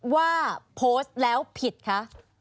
ว่าโพสต์แล้วผิดคะ